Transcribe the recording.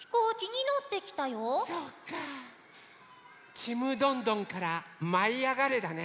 ちむどんどんからまいあがれだね。